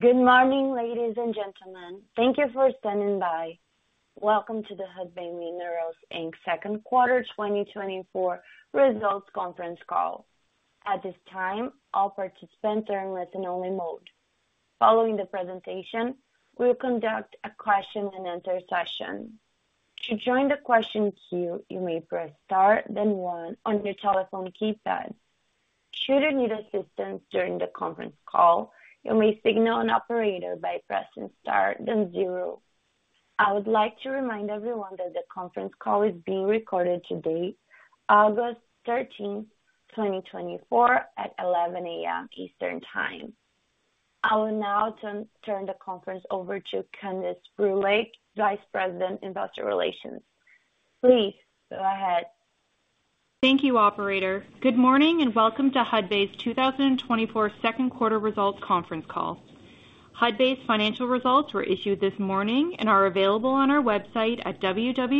Good morning, ladies and gentlemen. Thank you for standing by. Welcome to the Hudbay Minerals Inc.'s Q2 2024 results conference call. At this time, all participants are in listen-only mode. Following the presentation, we will conduct a question and answer session. To join the question queue, you may press Star, then one on your telephone keypad. Should you need assistance during the conference call, you may signal an operator by pressing Star, then zero. I would like to remind everyone that the conference call is being recorded today, August 13, 2024, at 11:00 A.M. Eastern Time. I will now turn the conference over to Candace Brûlé, Vice President, Investor Relations. Please go ahead. Thank you, operator. Good morning, and welcome to Hudbay's 2024 Q2 Results Conference Call. Hudbay's financial results were issued this morning and are available on our website at www.hudbay.com.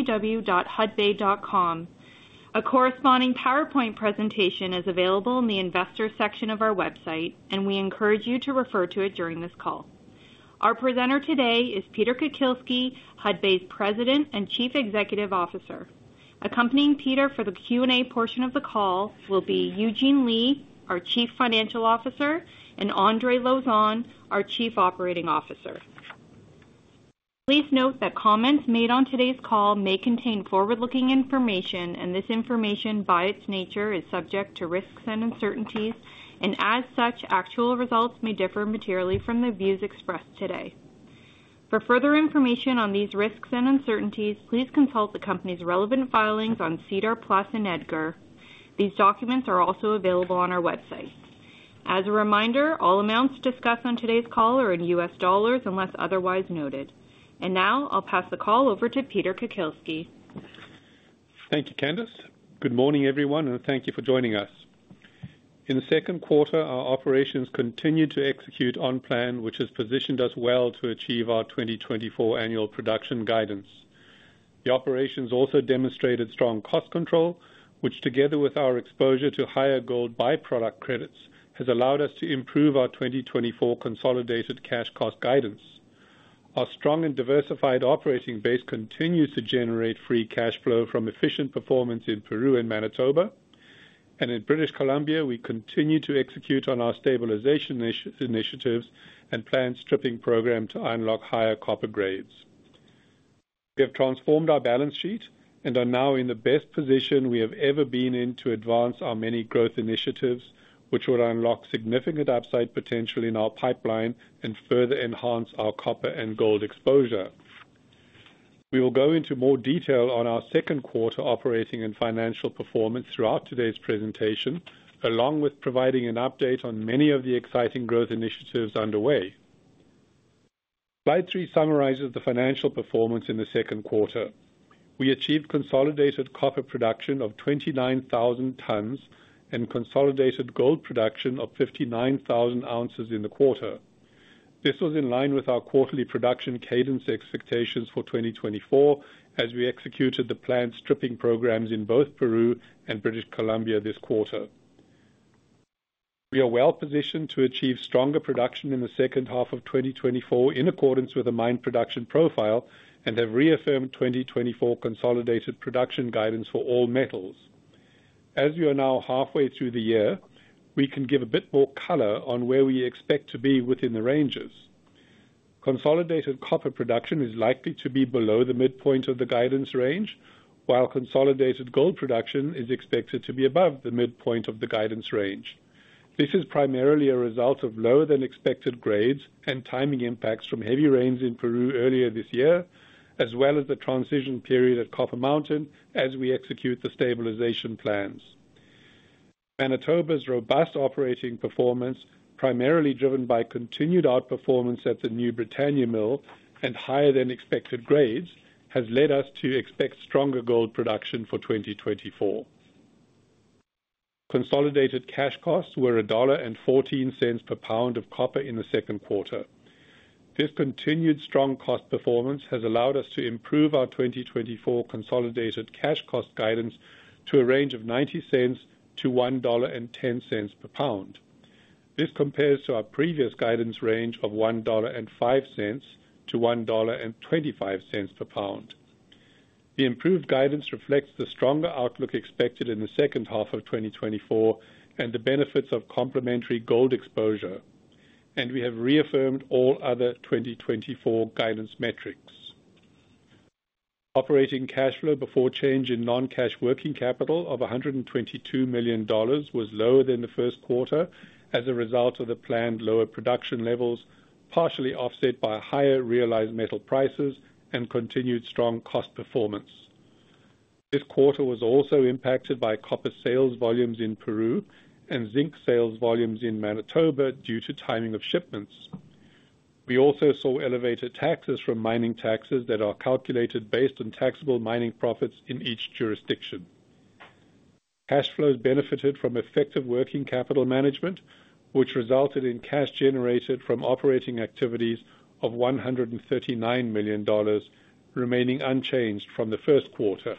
A corresponding PowerPoint presentation is available in the investor section of our website, and we encourage you to refer to it during this call. Our presenter today is Peter Kukielski, Hudbay's President and Chief Executive Officer. Accompanying Peter for the Q&A portion of the call will be Eugene Lei, our Chief Financial Officer, and Andre Lauzon, our Chief Operating Officer. Please note that comments made on today's call may contain forward-looking information, and this information, by its nature, is subject to risks and uncertainties, and as such, actual results may differ materially from the views expressed today. For further information on these risks and uncertainties, please consult the company's relevant filings on SEDAR+ and EDGAR. These documents are also available on our website. As a reminder, all amounts discussed on today's call are in US dollars unless otherwise noted. Now I'll pass the call over to Peter Kukielski. Thank you, Candace. Good morning, everyone, and thank you for joining us. In the Q2, our operations continued to execute on plan, which has positioned us well to achieve our 2024 annual production guidance. The operations also demonstrated strong cost control, which, together with our exposure to higher gold by-product credits, has allowed us to improve our 2024 consolidated cash cost guidance. Our strong and diversified operating base continues to generate free cash flow from efficient performance in Peru and Manitoba, and in British Columbia, we continue to execute on our stabilization initiatives and planned stripping program to unlock higher copper grades. We have transformed our balance sheet and are now in the best position we have ever been in to advance our many growth initiatives, which will unlock significant upside potential in our pipeline and further enhance our copper and gold exposure. We will go into more detail on our Q2 operating and financial performance throughout today's presentation, along with providing an update on many of the exciting growth initiatives underway. Slide 3 summarizes the financial performance in the Q2. We achieved consolidated copper production of 29,000 tons and consolidated gold production of 59,000 ounces in the quarter. This was in line with our quarterly production cadence expectations for 2024, as we executed the planned stripping programs in both Peru and British Columbia this quarter. We are well-positioned to achieve stronger production in the H2 of 2024, in accordance with the mine production profile, and have reaffirmed 2024 consolidated production guidance for all metals. As we are now halfway through the year, we can give a bit more color on where we expect to be within the ranges. Consolidated copper production is likely to be below the midpoint of the guidance range, while consolidated gold production is expected to be above the midpoint of the guidance range. This is primarily a result of lower-than-expected grades and timing impacts from heavy rains in Peru earlier this year, as well as the transition period at Copper Mountain as we execute the stabilization plans. Manitoba's robust operating performance, primarily driven by continued outperformance at the New Britannia Mill and higher-than-expected grades, has led us to expect stronger gold production for 2024. Consolidated cash costs were $1.14 per pound of copper in the Q2. This continued strong cost performance has allowed us to improve our 2024 consolidated cash cost guidance to a range of $0.90-$1.10 per pound. This compares to our previous guidance range of $1.05-$1.25 per pound. The improved guidance reflects the stronger outlook expected in the H2 of 2024 and the benefits of complementary gold exposure, and we have reaffirmed all other 2024 guidance metrics. Operating cash flow before change in non-cash working capital of $122 million was lower than the Q1 as a result of the planned lower production levels, partially offset by higher realized metal prices and continued strong cost performance. This quarter was also impacted by copper sales volumes in Peru and zinc sales volumes in Manitoba due to timing of shipments. We also saw elevated taxes from mining taxes that are calculated based on taxable mining profits in each jurisdiction. Cash flows benefited from effective working capital management, which resulted in cash generated from operating activities of $139 million, remaining unchanged from the Q1.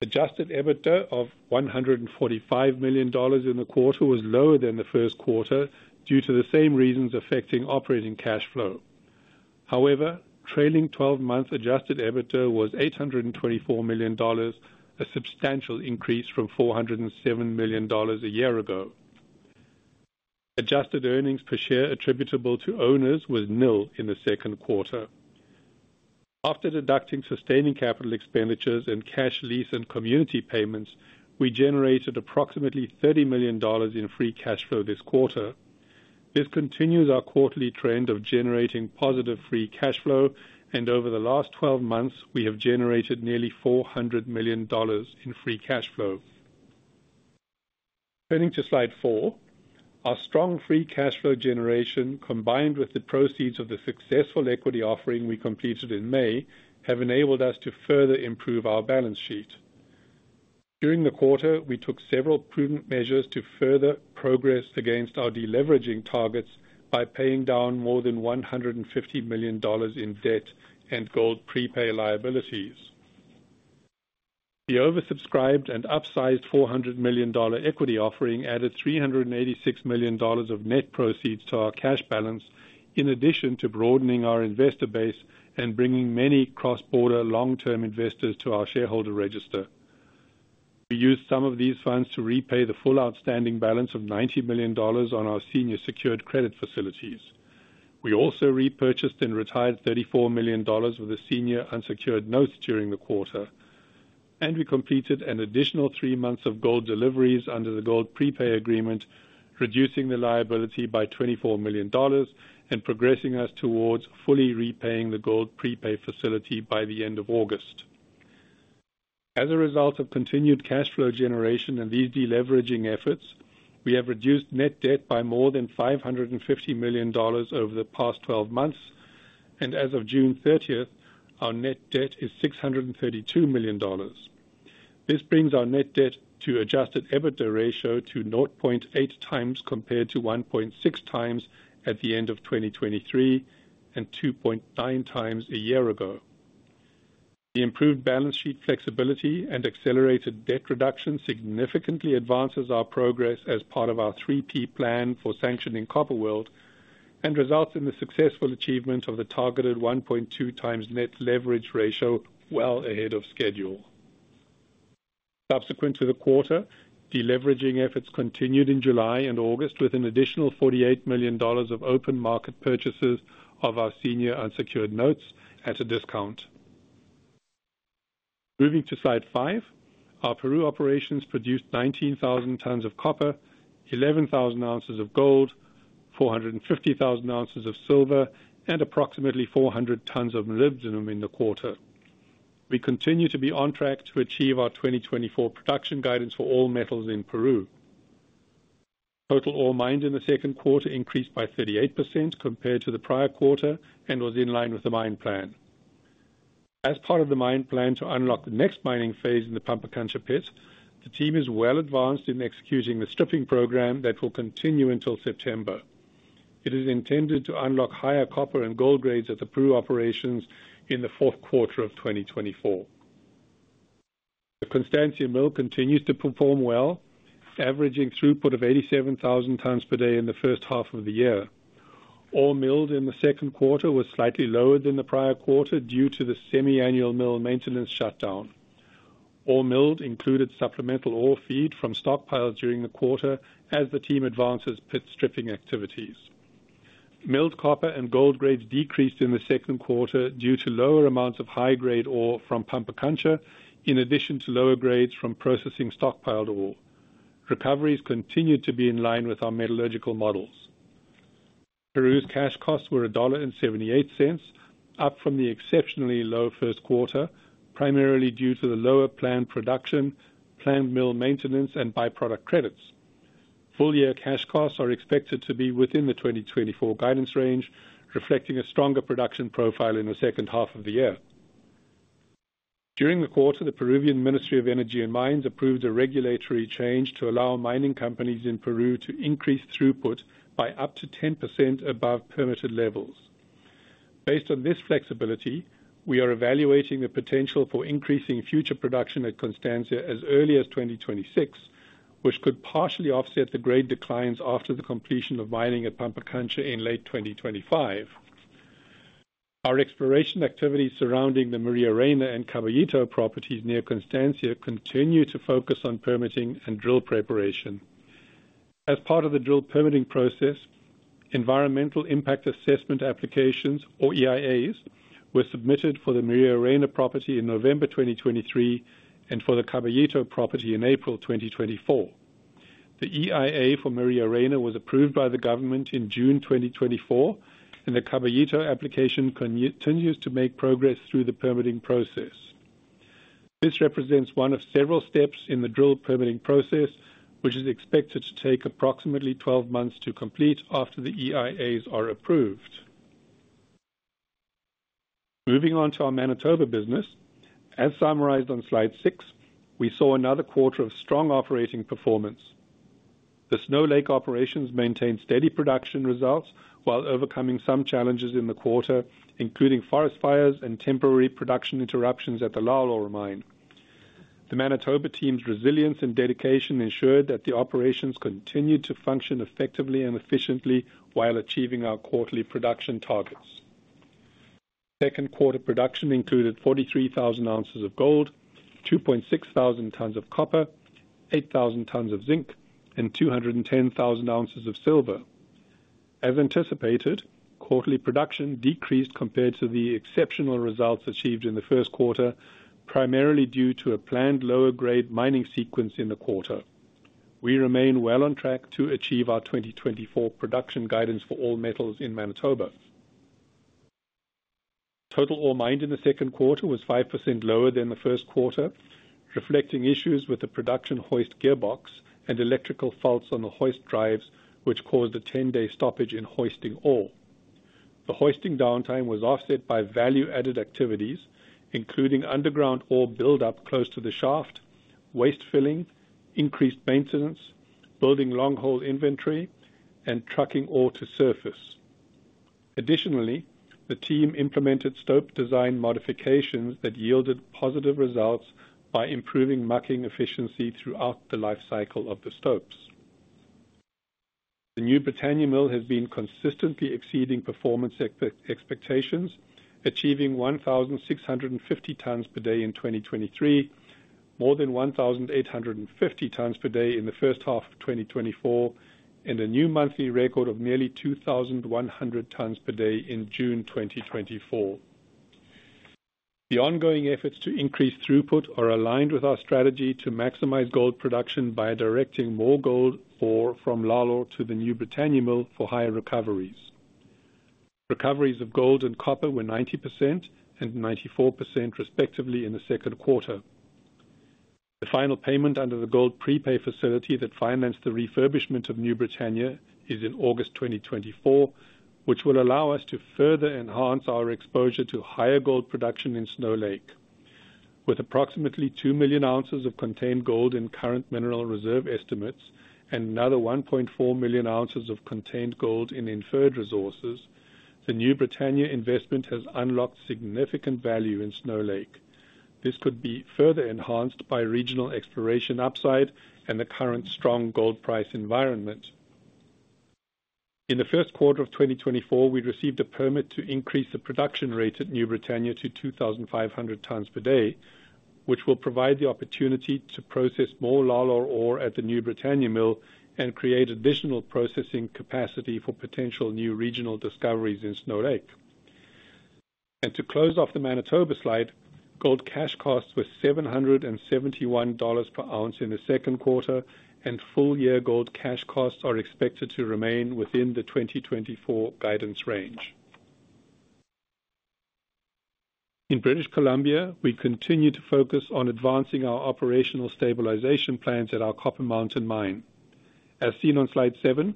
Adjusted EBITDA of $145 million in the quarter was lower than the Q1 due to the same reasons affecting operating cash flow. However, trailing twelve-month adjusted EBITDA was $824 million, a substantial increase from $407 million a year ago. Adjusted earnings per share attributable to owners was nil in the Q2. After deducting sustaining capital expenditures and cash lease and community payments, we generated approximately $30 million in free cash flow this quarter. This continues our quarterly trend of generating positive free cash flow, and over the last twelve months, we have generated nearly $400 million in free cash flow. Turning to slide 4, our strong free cash flow generation, combined with the proceeds of the successful equity offering we completed in May, have enabled us to further improve our balance sheet. During the quarter, we took several prudent measures to further progress against our deleveraging targets by paying down more than $150 million in debt and gold prepay liabilities. The oversubscribed and upsized $400 million equity offering added $386 million of net proceeds to our cash balance, in addition to broadening our investor base and bringing many cross-border long-term investors to our shareholder register. We used some of these funds to repay the full outstanding balance of $90 million on our senior secured credit facilities. We also repurchased and retired $34 million with a senior unsecured note during the quarter, and we completed an additional 3 months of gold deliveries under the Gold Prepay Agreement, reducing the liability by $24 million and progressing us towards fully repaying the gold prepay facility by the end of August. As a result of continued cash flow generation and these deleveraging efforts, we have reduced net debt by more than $550 million over the past 12 months, and as of June 30, our net debt is $632 million. This brings our net debt to adjusted EBITDA ratio to 0.8 times, compared to 1.6 times at the end of 2023, and 2.9 times a year ago. The improved balance sheet flexibility and accelerated debt reduction significantly advances our progress as part of our 3-P Plan for sanctioning Copper World, and results in the successful achievement of the targeted 1.2 times net leverage ratio well ahead of schedule. Subsequent to the quarter, deleveraging efforts continued in July and August, with an additional $48 million of open market purchases of our senior unsecured notes at a discount. Moving to slide 5. Our Peru operations produced 19,000 tons of copper, 11,000 ounces of gold, 450,000 ounces of silver, and approximately 400 tons of molybdenum in the quarter. We continue to be on track to achieve our 2024 production guidance for all metals in Peru. Total ore mined in the Q2 increased by 38% compared to the prior quarter and was in line with the mine plan. As part of the mine plan to unlock the next mining phase in the Pampacancha pit, the team is well advanced in executing the stripping program that will continue until September. It is intended to unlock higher copper and gold grades at the Peru operations in the Q4 of 2024. The Constancia Mill continues to perform well, averaging throughput of 87,000 tons per day in the H1 of the year. Ore milled in the Q2 was slightly lower than the prior quarter due to the semi-annual mill maintenance shutdown. Ore milled included supplemental ore feed from stockpiles during the quarter as the team advances pit stripping activities. Milled copper and gold grades decreased in the Q2 due to lower amounts of high-grade ore from Pampacancha, in addition to lower grades from processing stockpiled ore. Recoveries continued to be in line with our metallurgical models. Peru's cash costs were $1.78, up from the exceptionally low Q1, primarily due to the lower planned production, planned mill maintenance, and byproduct credits. Full-year cash costs are expected to be within the 2024 guidance range, reflecting a stronger production profile in the H2 of the year. During the quarter, the Peruvian Ministry of Energy and Mines approved a regulatory change to allow mining companies in Peru to increase throughput by up to 10% above permitted levels. Based on this flexibility, we are evaluating the potential for increasing future production at Constancia as early as 2026, which could partially offset the grade declines after the completion of mining at Pampacancha in late 2025. Our exploration activities surrounding the Maria Reyna and Caballito properties near Constancia continue to focus on permitting and drill preparation. As part of the drill permitting process, environmental impact assessment applications, or EIAs, were submitted for the Maria Reyna property in November 2023 and for the Caballito property in April 2024. The EIA for Maria Reyna was approved by the government in June 2024, and the Caballito application continues to make progress through the permitting process. This represents one of several steps in the drill permitting process, which is expected to take approximately 12 months to complete after the EIAs are approved. Moving on to our Manitoba business. As summarized on slide 6, we saw another quarter of strong operating performance. The Snow Lake operations maintained steady production results while overcoming some challenges in the quarter, including forest fires and temporary production interruptions at the Lalor mine. The Manitoba team's resilience and dedication ensured that the operations continued to function effectively and efficiently while achieving our quarterly production targets. Q2 production included 43,000 ounces of gold, 2,600 tons of copper, 8,000 tons of zinc, and 210,000 ounces of silver. As anticipated, quarterly production decreased compared to the exceptional results achieved in the Q1, primarily due to a planned lower grade mining sequence in the quarter. We remain well on track to achieve our 2024 production guidance for all metals in Manitoba. Total ore mined in the Q2 was 5% lower than the Q1, reflecting issues with the production hoist gearbox and electrical faults on the hoist drives, which caused a 10-day stoppage in hoisting ore. The hoisting downtime was offset by value-added activities, including underground ore buildup close to the shaft, waste filling, increased maintenance, building long-haul inventory, and trucking ore to surface. Additionally, the team implemented stope design modifications that yielded positive results by improving mucking efficiency throughout the life cycle of the stopes. The New Britannia Mill has been consistently exceeding performance expectations, achieving 1,650 tons per day in 2023, more than 1,850 tons per day in the H1 of 2024, and a new monthly record of nearly 2,100 tons per day in June 2024. The ongoing efforts to increase throughput are aligned with our strategy to maximize gold production by directing more gold ore from Lalor to the New Britannia Mill for higher recoveries. Recoveries of gold and copper were 90% and 94%, respectively, in the Q2. The final payment under the gold prepay facility that financed the refurbishment of New Britannia is in August 2024, which will allow us to further enhance our exposure to higher gold production in Snow Lake. With approximately 2 million ounces of contained gold in current mineral reserve estimates and another 1.4 million ounces of contained gold in inferred resources, the New Britannia investment has unlocked significant value in Snow Lake. This could be further enhanced by regional exploration upside and the current strong gold price environment. In the Q1 of 2024, we received a permit to increase the production rate at New Britannia to 2,500 tons per day, which will provide the opportunity to process more Lalor ore at the New Britannia Mill and create additional processing capacity for potential new regional discoveries in Snow Lake. And to close off the Manitoba slide, gold cash costs were $771 per ounce in the Q2, and full-year gold cash costs are expected to remain within the 2024 guidance range. In British Columbia, we continue to focus on advancing our operational stabilization plans at our Copper Mountain Mine. As seen on slide 7,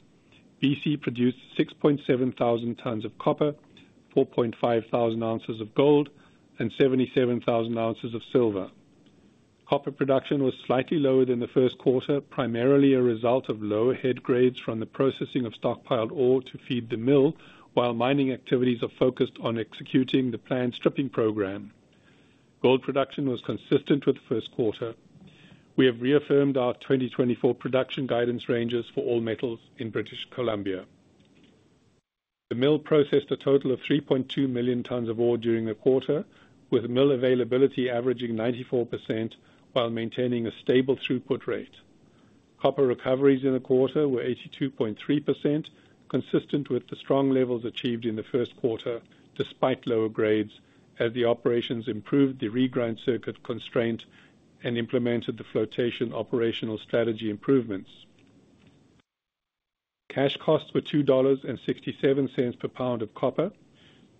BC produced 6,700 tons of copper, 4,500 ounces of gold, and 77,000 ounces of silver. Copper production was slightly lower than the Q1, primarily a result of lower head grades from the processing of stockpiled ore to feed the mill, while mining activities are focused on executing the planned stripping program. Gold production was consistent with the Q1. We have reaffirmed our 2024 production guidance ranges for all metals in British Columbia. The mill processed a total of 3.2 million tons of ore during the quarter, with mill availability averaging 94% while maintaining a stable throughput rate. Copper recoveries in the quarter were 82.3%, consistent with the strong levels achieved in the Q1, despite lower grades, as the operations improved the regrind circuit constraint and implemented the flotation operational strategy improvements. Cash costs were $2.67 per pound of copper,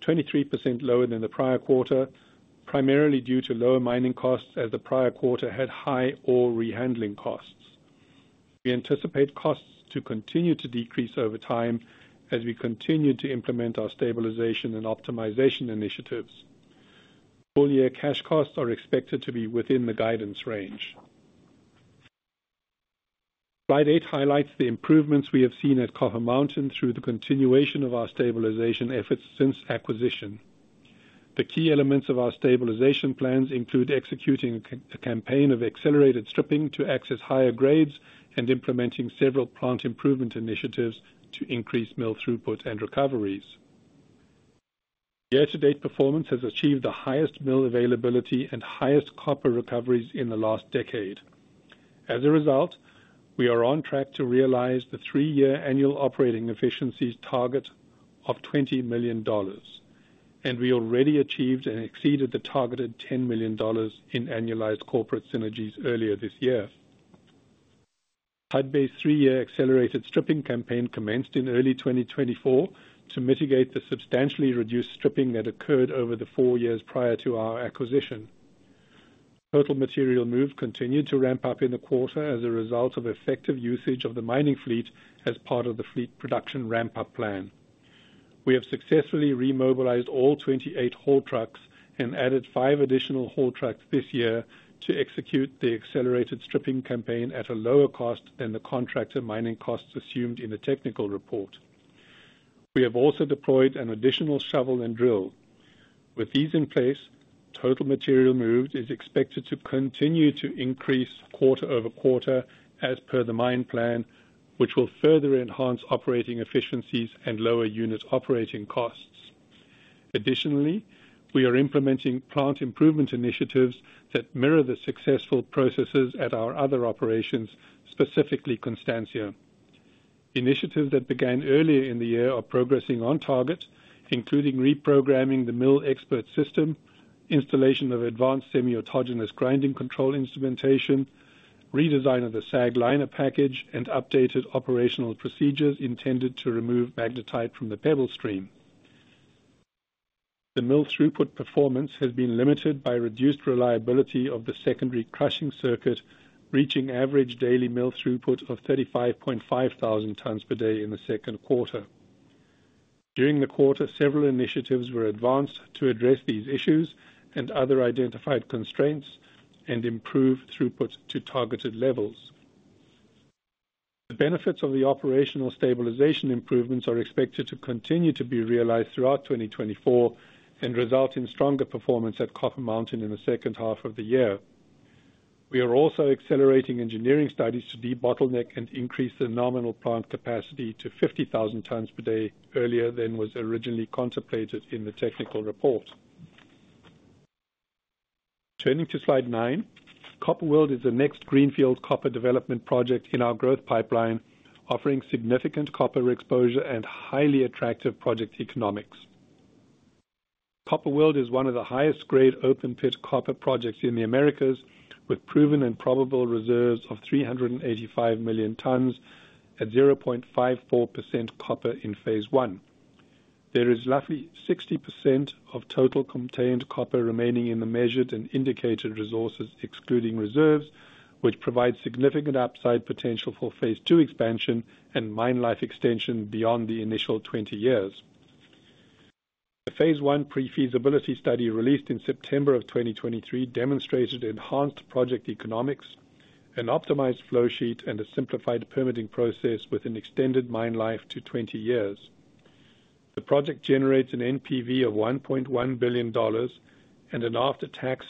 23% lower than the prior quarter, primarily due to lower mining costs, as the prior quarter had high ore rehandling costs. We anticipate costs to continue to decrease over time as we continue to implement our stabilization and optimization initiatives. Full-year cash costs are expected to be within the guidance range. Slide 8 highlights the improvements we have seen at Copper Mountain through the continuation of our stabilization efforts since acquisition. The key elements of our stabilization plans include executing a campaign of accelerated stripping to access higher grades and implementing several plant improvement initiatives to increase mill throughput and recoveries. Year-to-date performance has achieved the highest mill availability and highest copper recoveries in the last decade. As a result, we are on track to realize the 3-year annual operating efficiencies target of $20 million, and we already achieved and exceeded the targeted $10 million in annualized corporate synergies earlier this year. Hudbay's 3-year accelerated stripping campaign commenced in early 2024 to mitigate the substantially reduced stripping that occurred over the 4 years prior to our acquisition. Total material move continued to ramp up in the quarter as a result of effective usage of the mining fleet as part of the fleet production ramp-up plan.... We have successfully remobilized all 28 haul trucks and added 5 additional haul trucks this year to execute the accelerated stripping campaign at a lower cost than the contractor mining costs assumed in the technical report. We have also deployed an additional shovel and drill. With these in place, total material moved is expected to continue to increase quarter-over-quarter, as per the mine plan, which will further enhance operating efficiencies and lower unit operating costs. Additionally, we are implementing plant improvement initiatives that mirror the successful processes at our other operations, specifically Constancia. Initiatives that began earlier in the year are progressing on target, including reprogramming the mill expert system, installation of advanced semi-autogenous grinding control instrumentation, redesign of the SAG liner package, and updated operational procedures intended to remove magnetite from the pebble stream. The mill throughput performance has been limited by reduced reliability of the secondary crushing circuit, reaching average daily mill throughput of 35,500 tons per day in the Q2. During the quarter, several initiatives were advanced to address these issues and other identified constraints, and improve throughput to targeted levels. The benefits of the operational stabilization improvements are expected to continue to be realized throughout 2024 and result in stronger performance at Copper Mountain in the H2 of the year. We are also accelerating engineering studies to debottleneck and increase the nominal plant capacity to 50,000 tons per day, earlier than was originally contemplated in the technical report. Turning to slide 9, Copper World is the next greenfield copper development project in our growth pipeline, offering significant copper exposure and highly attractive project economics. Copper World is one of the highest-grade open-pit copper projects in the Americas, with proven and probable reserves of 385 million tons at 0.54% copper in phase one. There is roughly 60% of total contained copper remaining in the measured and indicated resources, excluding reserves, which provides significant upside potential for phase 2 expansion and mine life extension beyond the initial 20 years. The phase 1 pre-feasibility study, released in September 2023, demonstrated enhanced project economics, an optimized flow sheet, and a simplified permitting process with an extended mine life to 20 years. The project generates an NPV of $1.1 billion and an after-tax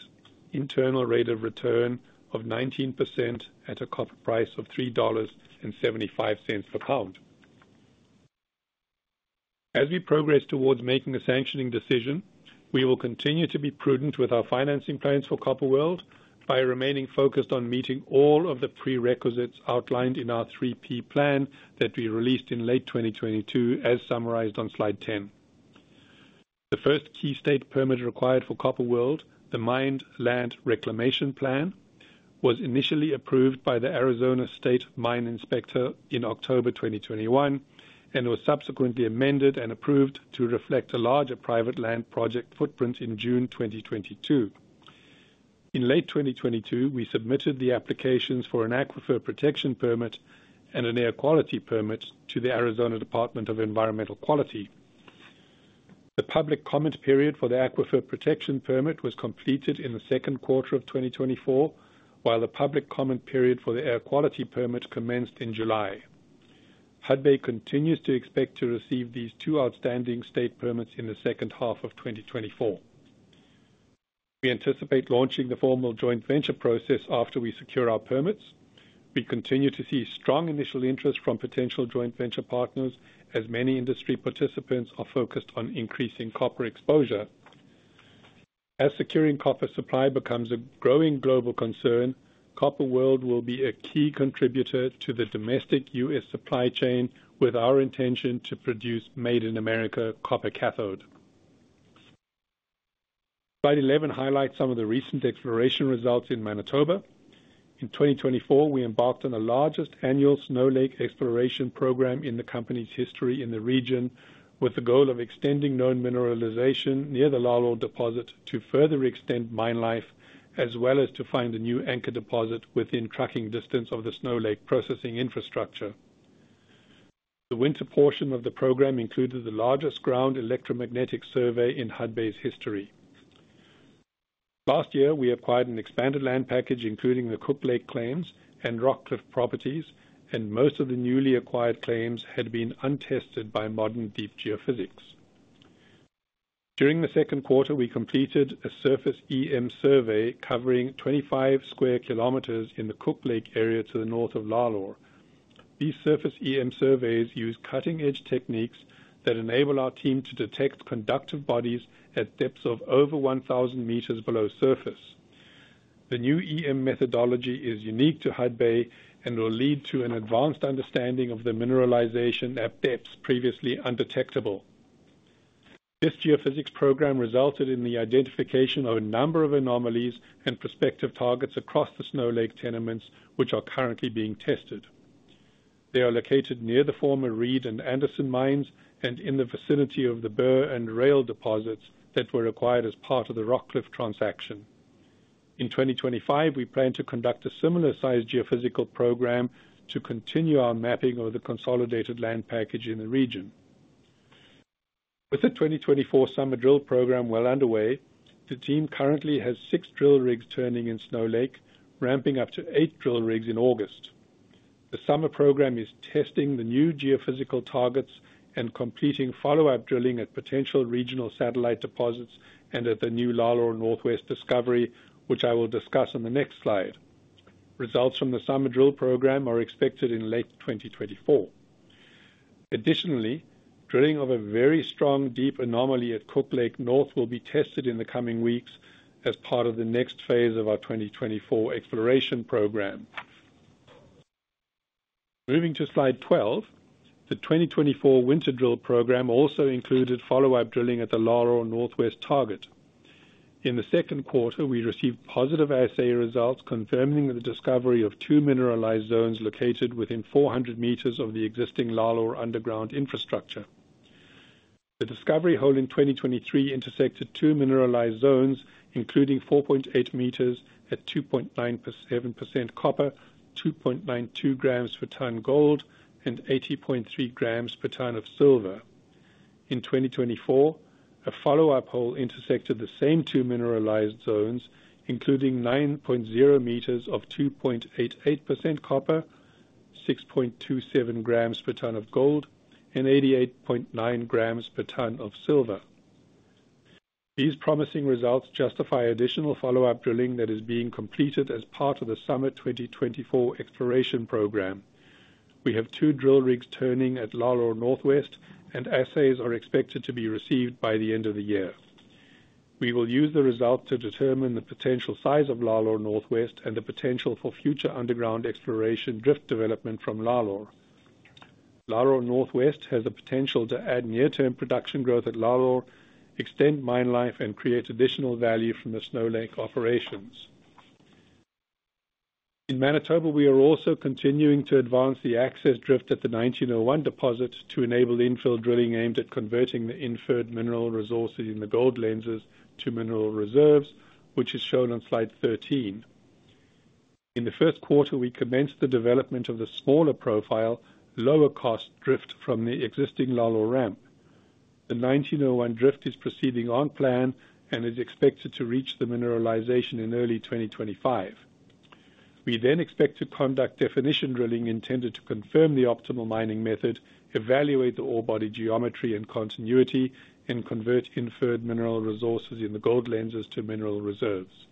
internal rate of return of 19% at a copper price of $3.75 per pound. As we progress towards making a sanctioning decision, we will continue to be prudent with our financing plans for Copper World by remaining focused on meeting all of the prerequisites outlined in our 3-P Plan that we released in late 2022, as summarized on slide 10. The first key state permit required for Copper World, the Mined Land Reclamation Plan, was initially approved by the Arizona State Mine Inspector in October 2021 and was subsequently amended and approved to reflect a larger private land project footprint in June 2022. In late 2022, we submitted the applications for an Aquifer Protection Permit and an Air Quality Permit to the Arizona Department of Environmental Quality. The public comment period for the Aquifer Protection Permit was completed in the Q2 of 2024, while the public comment period for the Air Quality Permit commenced in July. Hudbay continues to expect to receive these two outstanding state permits in the H2 of 2024. We anticipate launching the formal joint venture process after we secure our permits. We continue to see strong initial interest from potential joint venture partners, as many industry participants are focused on increasing copper exposure. As securing copper supply becomes a growing global concern, Copper World will be a key contributor to the domestic U.S. supply chain, with our intention to produce Made in America copper cathode. Slide 11 highlights some of the recent exploration results in Manitoba. In 2024, we embarked on the largest annual Snow Lake exploration program in the company's history in the region, with the goal of extending known mineralization near the Lalor deposit to further extend mine life, as well as to find a new anchor deposit within trucking distance of the Snow Lake processing infrastructure. The winter portion of the program included the largest ground electromagnetic survey in Hudbay's history. Last year, we acquired an expanded land package, including the Cook Lake claims and Rockcliff properties, and most of the newly acquired claims had been untested by modern deep geophysics. During the Q2, we completed a surface EM survey covering 25 square kilometers in the Cook Lake area to the north of Lalor. These surface EM surveys use cutting-edge techniques that enable our team to detect conductive bodies at depths of over 1,000 meters below surface. The new EM methodology is unique to Hudbay and will lead to an advanced understanding of the mineralization at depths previously undetectable. This geophysics program resulted in the identification of a number of anomalies and prospective targets across the Snow Lake tenements, which are currently being tested. They are located near the former Reed and Anderson mines and in the vicinity of the Bur and Rail deposits that were acquired as part of the Rockcliff transaction. In 2025, we plan to conduct a similar-sized geophysical program to continue our mapping of the consolidated land package in the region. With the 2024 summer drill program well underway, the team currently has 6 drill rigs turning in Snow Lake, ramping up to 8 drill rigs in August. The summer program is testing the new geophysical targets and completing follow-up drilling at potential regional satellite deposits and at the new Lalor Northwest discovery, which I will discuss on the next slide. Results from the summer drill program are expected in late 2024. Additionally, drilling of a very strong deep anomaly at Cook Lake North will be tested in the coming weeks as part of the next phase of our 2024 exploration program. Moving to slide 12, the 2024 winter drill program also included follow-up drilling at the Lalor Northwest target. In the Q2, we received positive assay results confirming the discovery of two mineralized zones located within 400 meters of the existing Lalor underground infrastructure. The discovery hole in 2023 intersected 2 mineralized zones, including 4.8 meters at 2.9% copper, 2.92 grams per ton gold, and 80.3 grams per ton of silver. In 2024, a follow-up hole intersected the same 2 mineralized zones, including 9.0 meters of 2.88% copper, 6.27 grams per ton of gold, and 88.9 grams per ton of silver. These promising results justify additional follow-up drilling that is being completed as part of the summer 2024 exploration program. We have 2 drill rigs turning at Lalor Northwest, and assays are expected to be received by the end of the year. We will use the results to determine the potential size of Lalor Northwest and the potential for future underground exploration drift development from Lalor. Lalor Northwest has the potential to add near-term production growth at Lalor, extend mine life, and create additional value from the Snow Lake operations. In Manitoba, we are also continuing to advance the access drift at the 1901 deposit to enable infill drilling aimed at converting the inferred mineral resources in the gold lenses to mineral reserves, which is shown on slide 13. In the Q1, we commenced the development of the smaller profile, lower-cost drift from the existing Lalor ramp. The 1901 drift is proceeding on plan and is expected to reach the mineralization in early 2025. We then expect to conduct definition drilling intended to confirm the optimal mining method, evaluate the ore body geometry and continuity, and convert inferred mineral resources in the gold lenses to mineral reserves.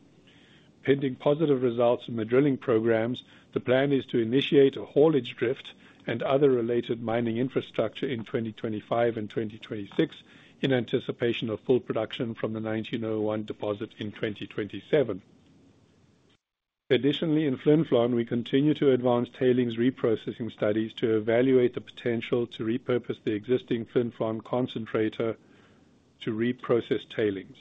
Pending positive results from the drilling programs, the plan is to initiate a haulage drift and other related mining infrastructure in 2025 and 2026, in anticipation of full production from the 1901 Deposit in 2027. Additionally, in Flin Flon, we continue to advance tailings reprocessing studies to evaluate the potential to repurpose the existing Flin Flon concentrator to reprocess tailings.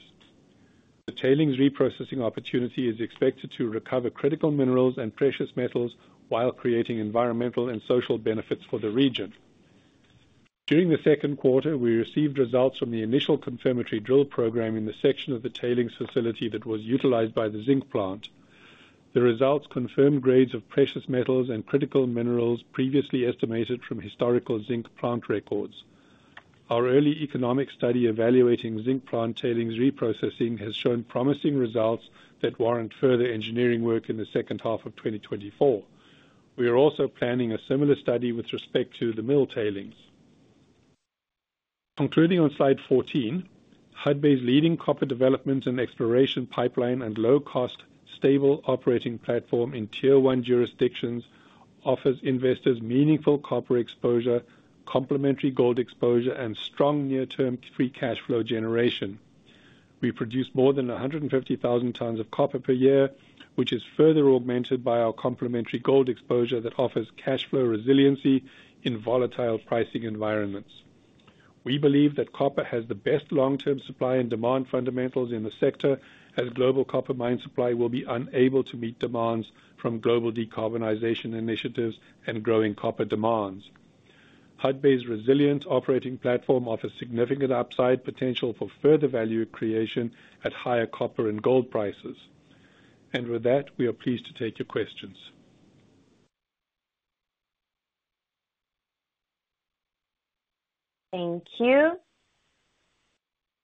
The tailings reprocessing opportunity is expected to recover critical minerals and precious metals while creating environmental and social benefits for the region. During the Q2, we received results from the initial confirmatory drill program in the section of the tailings facility that was utilized by the zinc plant. The results confirmed grades of precious metals and critical minerals previously estimated from historical zinc plant records. Our early economic study evaluating zinc plant tailings reprocessing has shown promising results that warrant further engineering work in the H2 of 2024. We are also planning a similar study with respect to the mill tailings. Concluding on slide 14, Hudbay's leading copper development and exploration pipeline and low-cost, stable operating platform in Tier One jurisdictions offers investors meaningful copper exposure, complementary gold exposure, and strong near-term free cash flow generation. We produce more than 150,000 tons of copper per year, which is further augmented by our complementary gold exposure that offers cash flow resiliency in volatile pricing environments. We believe that copper has the best long-term supply and demand fundamentals in the sector, as global copper mine supply will be unable to meet demands from global decarbonization initiatives and growing copper demands. Hudbay's resilient operating platform offers significant upside potential for further value creation at higher copper and gold prices. With that, we are pleased to take your questions. Thank you.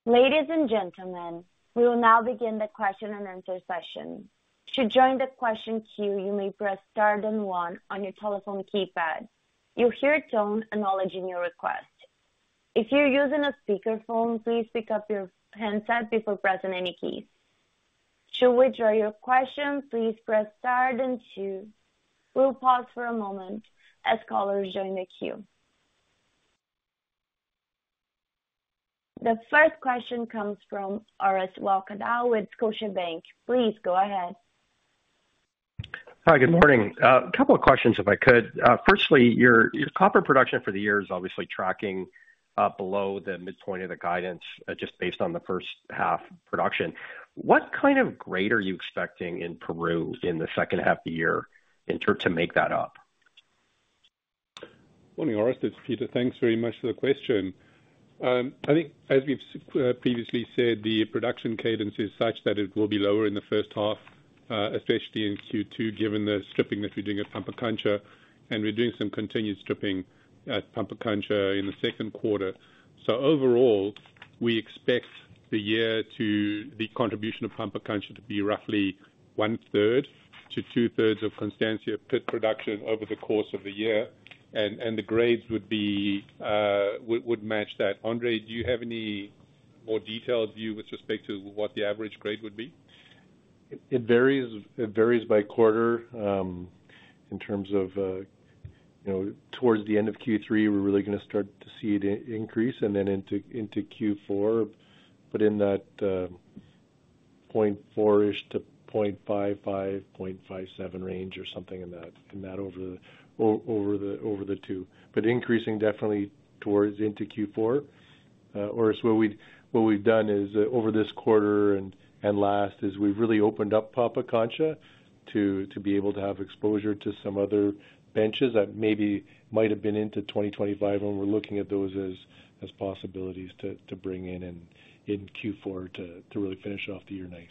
Ladies and gentlemen, we will now begin the question-and-answer session. To join the question queue, you may press star then one on your telephone keypad. You'll hear a tone acknowledging your request. If you're using a speakerphone, please pick up your handset before pressing any keys. Should withdraw your question, please press star then two. We'll pause for a moment as callers join the queue. The first question comes from Orest Wowkodaw with Scotiabank. Please go ahead. Hi, good morning. A couple of questions, if I could. Firstly, your, your copper production for the year is obviously tracking below the midpoint of the guidance, just based on the H1 production. What kind of grade are you expecting in Peru in the H2 of the year in term- to make that up? Morning, Orest, it's Peter. Thanks very much for the question. I think as we've previously said, the production cadence is such that it will be lower in the H1, especially in Q2, given the stripping that we're doing at Pampacancha, and we're doing some continued stripping at Pampacancha in the Q2. So overall, we expect the contribution of Pampacancha to be roughly one third to two thirds of Constancia pit production over the course of the year, and the grades would be would match that. Andre, do you have any more detailed view with respect to what the average grade would be? It varies by quarter. In terms of, you know, towards the end of Q3, we're really gonna start to see it increase and then into Q4. But in that point four-ish to point five five, point five seven range or something in that, over the two. But increasing definitely towards into Q4. Orest, what we've done is, over this quarter and last, is we've really opened up Pampacancha to be able to have exposure to some other benches that maybe might have been into 2025, and we're looking at those as possibilities to bring in in Q4 to really finish off the year nice.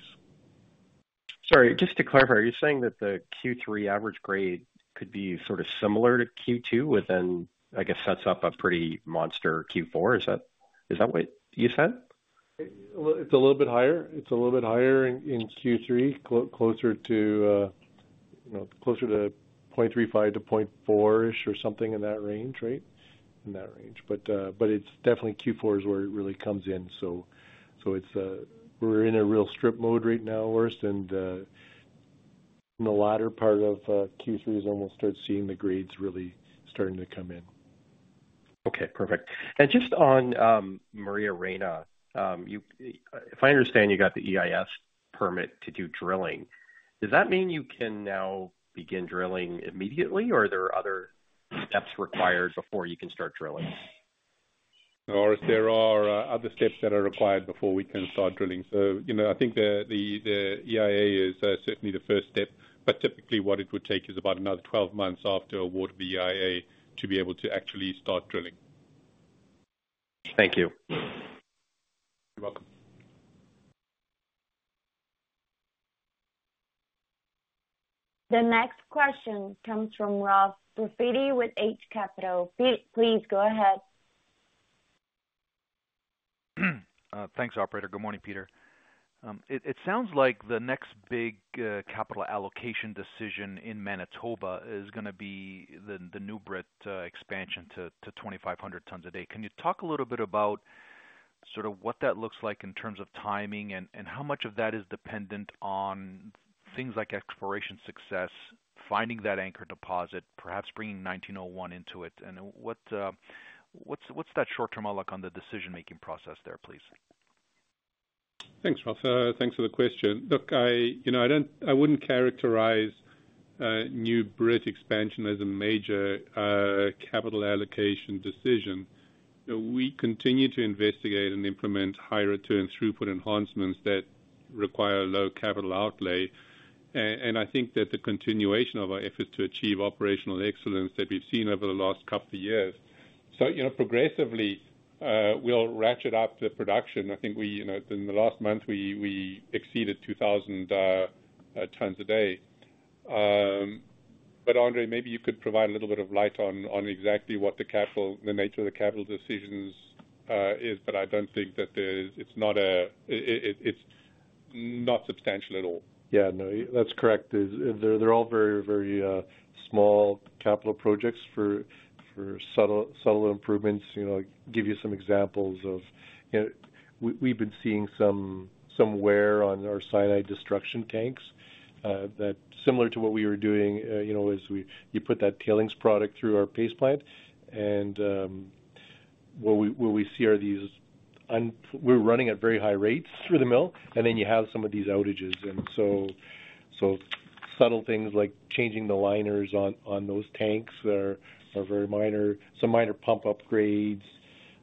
Sorry, just to clarify, are you saying that the Q3 average grade could be sort of similar to Q2, within, I guess, that's up a pretty monster Q4? Is that, is that what you said? It's a little bit higher. It's a little bit higher in Q3, closer to, you know, closer to 0.35 to 0.4-ish or something in that range, right? In that range. But, but it's definitely Q4 is where it really comes in. So, so it's, we're in a real strip mode right now, Orest, and, in the latter part of Q3 is when we'll start seeing the grades really starting to come in. Okay, perfect. Just on Maria Reyna, if I understand, you got the EIA permit to do drilling. Does that mean you can now begin drilling immediately, or are there other steps required before you can start drilling? Orest, there are other steps that are required before we can start drilling. So, you know, I think the EIA is certainly the first step, but typically what it would take is about another 12 months after award of the EIA to be able to actually start drilling. Thank you. You're welcome. The next question comes from Ralph Profiti with Eight Capital. Please go ahead. Thanks, operator. Good morning, Peter. It sounds like the next big capital allocation decision in Manitoba is gonna be the New Britannia expansion to 2,500 tons a day. Can you talk a little bit about sort of what that looks like in terms of timing, and how much of that is dependent on things like exploration success, finding that anchor deposit, perhaps bringing 1901 into it? And what's that short-term outlook on the decision-making process there, please? Thanks, Ross. Thanks for the question. Look, I, you know, I don't-- I wouldn't characterize new Britannia expansion as a major capital allocation decision. We continue to investigate and implement higher return throughput enhancements that require low capital outlay. And I think that the continuation of our efforts to achieve operational excellence that we've seen over the last couple of years. So, you know, progressively, we'll ratchet up the production. I think we, you know, in the last month, we, we exceeded 2,000 tons a day. But Andre, maybe you could provide a little bit of light on exactly what the capital, the nature of the capital decisions is, but I don't think that there is. It's not a - it's not substantial at all. Yeah. No, that's correct. They're, they're all very, very, small capital projects for, for subtle, subtle improvements. You know, I'll give you some examples of, you know, we, we've been seeing some, some wear on our cyanide destruction tanks, that similar to what we were doing, you know, as you put that tailings product through our pace plant and, what we, what we see are these we're running at very high rates through the mill, and then you have some of these outages. And so, so subtle things like changing the liners on, on those tanks are, are very minor. Some minor pump upgrades,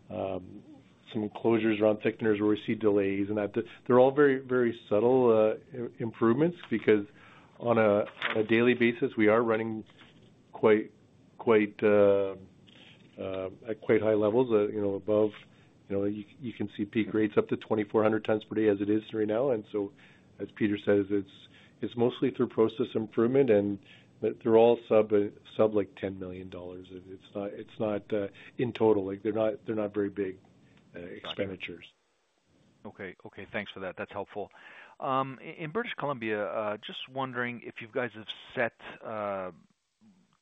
some enclosures around thickeners where we see delays, and that-- They're all very, very subtle, improvements, because on a, a daily basis, we are running quite, quite, at quite high levels, you know, above. You know, you can see peak rates up to 2,400 tons per day as it is right now. And so, as Peter says, it's, it's mostly through process improvement, and they're all sub, like, $10 million. It's not, it's not, in total, like, they're not, they're not very big, expenditures. Okay. Okay, thanks for that. That's helpful. In British Columbia, just wondering if you guys have set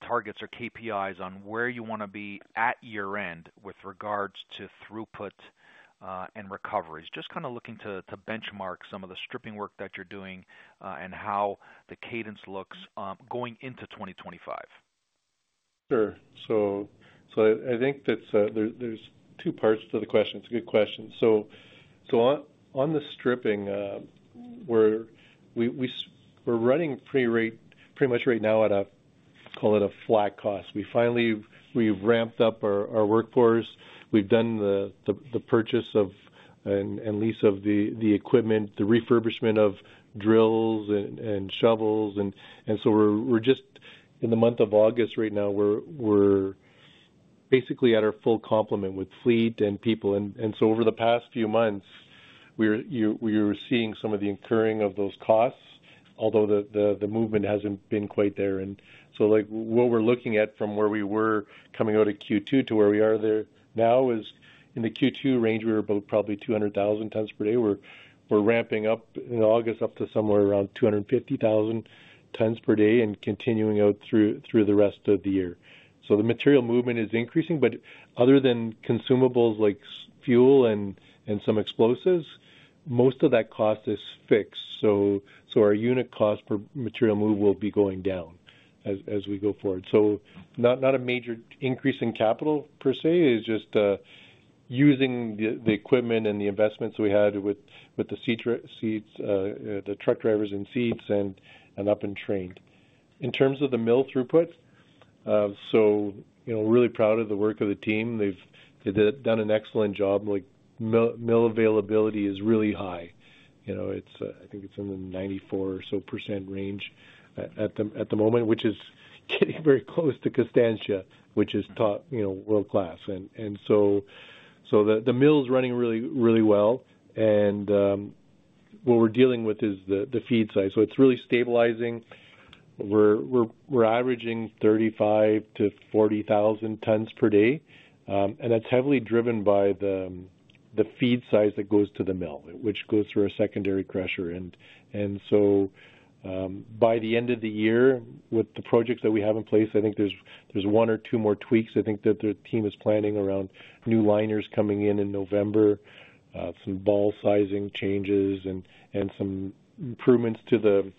targets or KPIs on where you wanna be at year-end with regards to throughput and recoveries. Just kind of looking to benchmark some of the stripping work that you're doing and how the cadence looks going into 2025. Sure. So I think that there, there's two parts to the question. It's a good question. So on the stripping, we're running pretty rate pretty much right now at a call it a flat cost. We finally, we've ramped up our workforce. We've done the purchase of and lease of the equipment, the refurbishment of drills and shovels. And so we're just in the month of August right now, we're basically at our full complement with fleet and people. And so over the past few months, we were seeing some of the incurring of those costs, although the movement hasn't been quite there. Like, what we're looking at from where we were coming out of Q2 to where we are there now is, in the Q2 range, we were about probably 200,000 tons per day. We're ramping up in August, up to somewhere around 250,000 tons per day and continuing out through the rest of the year. So the material movement is increasing, but other than consumables like fuel and some explosives, most of that cost is fixed. So our unit cost per material move will be going down as we go forward. So not a major increase in capital per se, it's just using the equipment and the investments we had with the extra seats, the truck drivers in seats and up and trained. In terms of the mill throughput, so, you know, really proud of the work of the team. They've done an excellent job. Like, mill availability is really high. You know, it's, I think it's in the 94% or so range at the moment, which is getting very close to Constancia, which is top, you know, world-class. And so the mill's running really, really well. And what we're dealing with is the feed size. So it's really stabilizing. We're averaging 35,000-40,000 tons per day, and that's heavily driven by the feed size that goes to the mill, which goes through a secondary crusher. And so, by the end of the year, with the projects that we have in place, I think there's one or two more tweaks. I think that the team is planning around new liners coming in in November, some ball sizing changes and some improvements to the,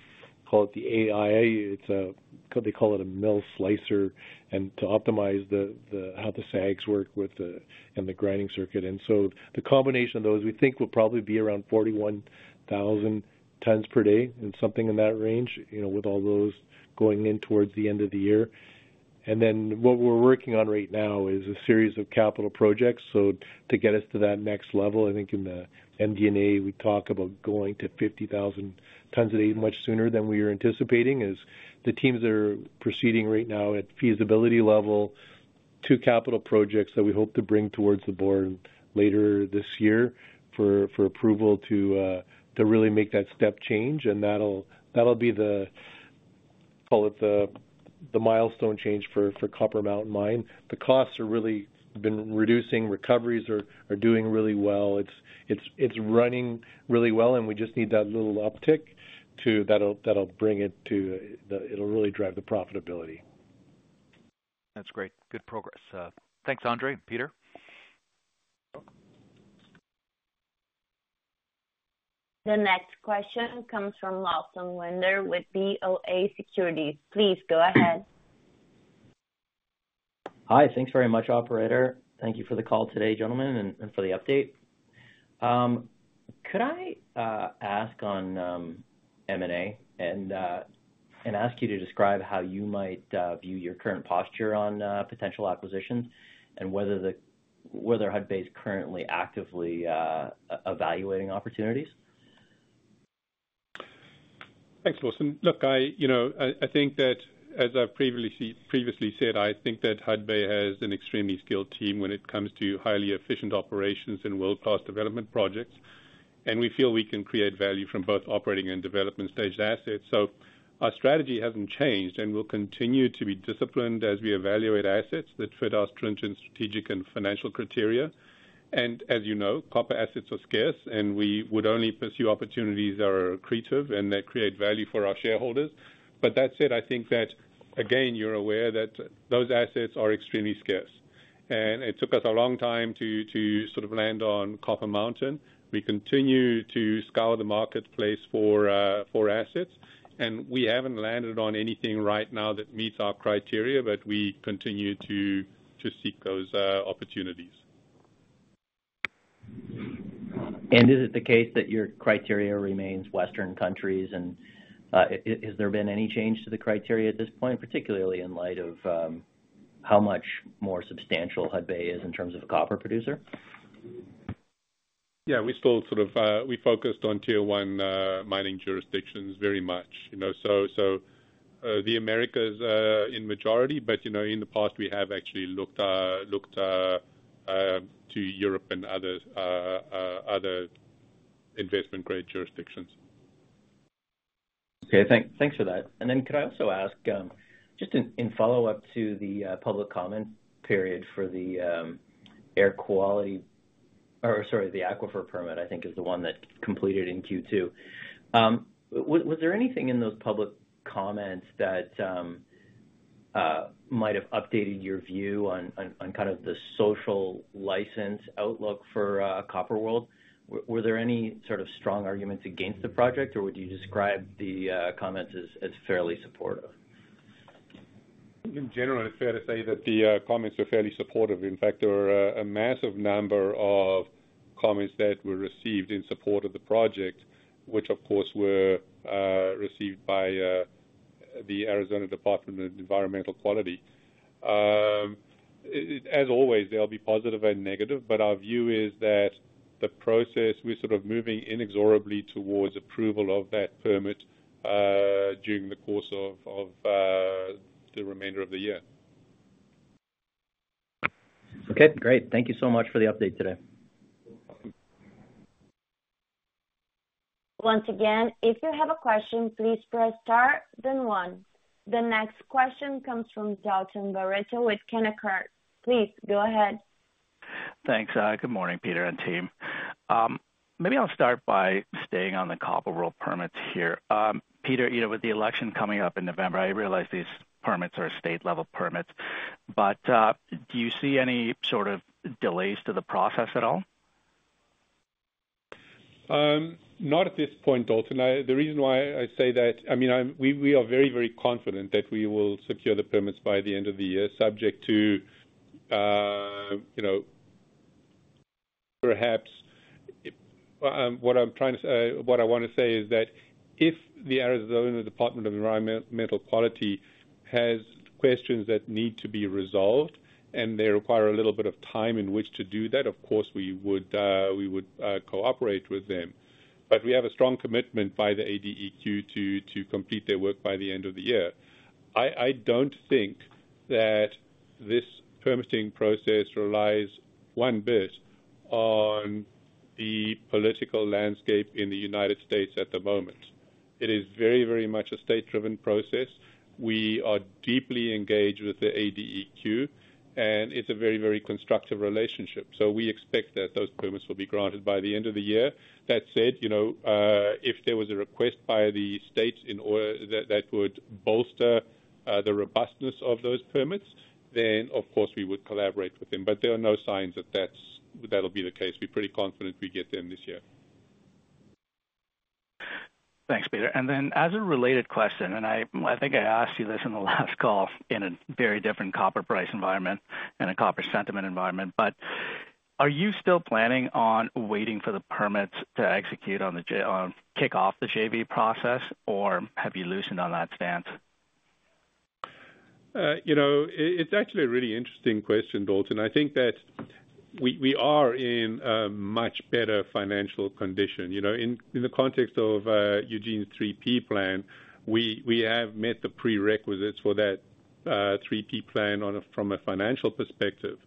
call it the AIA. It's a, they call it a MillSlicer, and to optimize the how the SAGs work with the and the grinding circuit. And so the combination of those, we think, will probably be around 41,000 tons per day and something in that range, you know, with all those going in towards the end of the year. And then what we're working on right now is a series of capital projects, so to get us to that next level. I think in the MD&A, we talk about going to 50,000 tons a day, much sooner than we were anticipating, as the teams are proceeding right now at feasibility level, two capital projects that we hope to bring towards the board later this year for, for approval to, to really make that step change. And that'll, that'll be the, call it the, the milestone change for, for Copper Mountain Mine. The costs are really been reducing, recoveries are doing really well. It's running really well, and we just need that little uptick to... That'll, that'll bring it to the-- it'll really drive the profitability. That's great. Good progress. Thanks, Andre, Peter. The next question comes from Lawson Winder with BofA Securities. Please go ahead. Hi. Thanks very much, operator. Thank you for the call today, gentlemen, and for the update. Could I ask on M&A and ask you to describe how you might view your current posture on potential acquisitions? And whether Hudbay is currently actively evaluating opportunities. Thanks, Lawson. Look, you know, I think that as I've previously said, I think that Hudbay has an extremely skilled team when it comes to highly efficient operations and world-class development projects, and we feel we can create value from both operating and development stage assets. So our strategy hasn't changed, and we'll continue to be disciplined as we evaluate assets that fit our strength and strategic and financial criteria. And as you know, copper assets are scarce, and we would only pursue opportunities that are accretive and that create value for our shareholders. But that said, I think that, again, you're aware that those assets are extremely scarce, and it took us a long time to sort of land on Copper Mountain. We continue to scour the marketplace for assets, and we haven't landed on anything right now that meets our criteria, but we continue to seek those opportunities. Is it the case that your criteria remains Western countries? And has there been any change to the criteria at this point, particularly in light of how much more substantial Hudbay is in terms of a copper producer? Yeah, we still sort of focused on Tier One mining jurisdictions very much, you know, so the Americas in majority, but, you know, in the past we have actually looked to Europe and other investment-grade jurisdictions. Okay, thanks for that. And then could I also ask, just in follow-up to the public comment period for the air quality, or sorry, the aquifer permit, I think, is the one that completed in Q2. Was there anything in those public comments that might have updated your view on kind of the social license outlook for Copper World? Were there any sort of strong arguments against the project, or would you describe the comments as fairly supportive? In general, it's fair to say that the comments were fairly supportive. In fact, there were a massive number of comments that were received in support of the project, which of course were received by the Arizona Department of Environmental Quality. As always, there'll be positive and negative, but our view is that the process, we're sort of moving inexorably towards approval of that permit, during the course of the remainder of the year. Okay, great. Thank you so much for the update today. Once again, if you have a question, please press Star, then One. The next question comes from Dalton Baretto with Canaccord. Please go ahead. Thanks. Good morning, Peter and team. Maybe I'll start by staying on the Copper World permits here. Peter, you know, with the election coming up in November, I realize these permits are state-level permits, but, do you see any sort of delays to the process at all? Not at this point, Dalton. The reason why I say that, I mean, we are very, very confident that we will secure the permits by the end of the year, subject to, you know, perhaps... What I'm trying to say, what I want to say is that if the Arizona Department of Environmental Quality has questions that need to be resolved, and they require a little bit of time in which to do that, of course, we would cooperate with them. But we have a strong commitment by the ADEQ to complete their work by the end of the year. I don't think that this permitting process relies one bit on the political landscape in the United States at the moment. It is very, very much a state-driven process. We are deeply engaged with the ADEQ, and it's a very, very constructive relationship, so we expect that those permits will be granted by the end of the year. That said, you know, if there was a request by the state in order, that would bolster the robustness of those permits, then, of course, we would collaborate with them. But there are no signs that that's the case. We're pretty confident we get them this year. Thanks, Peter. And then, as a related question, and I, I think I asked you this in the last call in a very different copper price environment and a copper sentiment environment, but are you still planning on waiting for the permits to execute on the J- on kick off the JV process, or have you loosened on that stance? You know, it's actually a really interesting question, Dalton. I think that we are in a much better financial condition. You know, in the context of Eugene's three P plan, we have met the prerequisites for that three P plan from a financial perspective.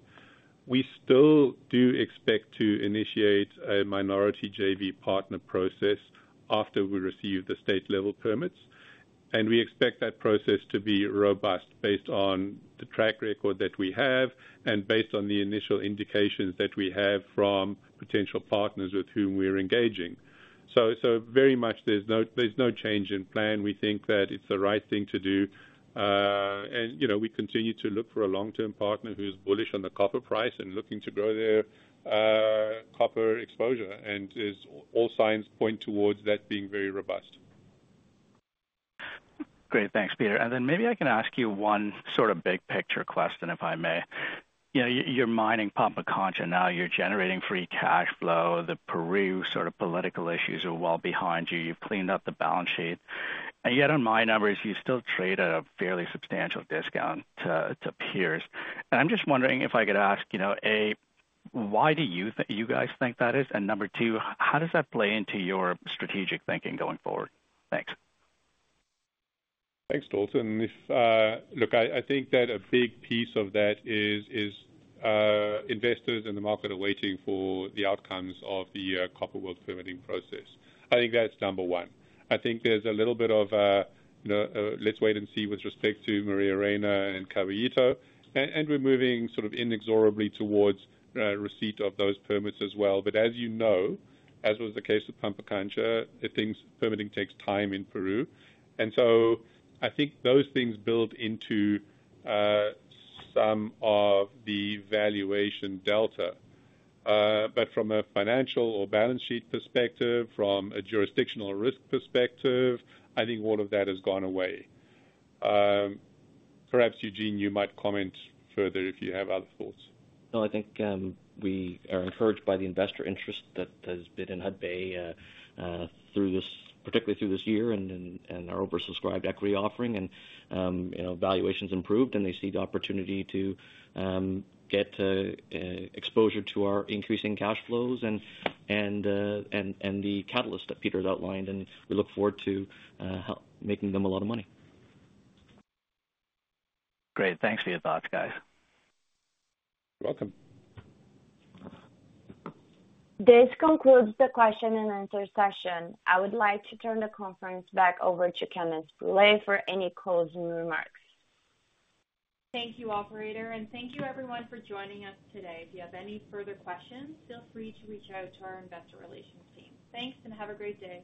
We still do expect to initiate a minority JV partner process after we receive the state-level permits, and we expect that process to be robust based on the track record that we have and based on the initial indications that we have from potential partners with whom we're engaging. So very much, there's no change in plan. We think that it's the right thing to do. You know, we continue to look for a long-term partner who's bullish on the copper price and looking to grow their copper exposure, and all signs point towards that being very robust. Great. Thanks, Peter. And then maybe I can ask you one sort of big picture question, if I may. You know, you're mining Pampacancha now, you're generating free cash flow. The Peru sort of political issues are well behind you. You've cleaned up the balance sheet, and yet on my numbers, you still trade at a fairly substantial discount to peers. And I'm just wondering if I could ask, you know, A, why do you guys think that is? And number two, how does that play into your strategic thinking going forward? Thanks. Thanks, Dalton. If, look, I, I think that a big piece of that is, is, investors in the market are waiting for the outcomes of the, Copper World permitting process. I think that's number one. I think there's a little bit of, you know, let's wait and see with respect to Maria Reyna and Caballito, and, and we're moving sort of inexorably towards, receipt of those permits as well. But as you know, as was the case with Pampacancha, the things, permitting takes time in Peru. And so I think those things build into, some of the valuation delta. But from a financial or balance sheet perspective, from a jurisdictional risk perspective, I think all of that has gone away. Perhaps, Eugene, you might comment further if you have other thoughts. No, I think, we are encouraged by the investor interest that has been in Hudbay, through this, particularly through this year, and then, and our oversubscribed equity offering and, you know, valuations improved, and they see the opportunity to, get, exposure to our increasing cash flows and, and, the catalyst that Peter's outlined, and we look forward to, help making them a lot of money. Great. Thanks for your thoughts, guys. You're welcome. This concludes the question and answer session. I would like to turn the conference back over to Candace Brûlé for any closing remarks. Thank you, operator, and thank you everyone for joining us today. If you have any further questions, feel free to reach out to our investor relations team. Thanks, and have a great day.